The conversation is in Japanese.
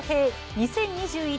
２０２１